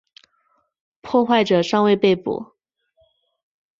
破坏者尚未被捕。